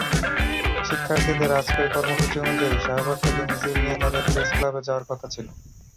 শিক্ষার্থীদের আজকের কর্মসূচি অনুযায়ী শাহবাগ থেকে মিছিল নিয়ে তাঁদের প্রেসক্লাবে যাওয়ার কথা ছিল।